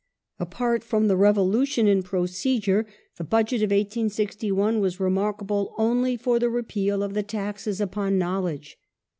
Apart from the revolution in procedure, the Budget of 1861 was Finance, remarkable only for the repeal of the " taxes upon knowledge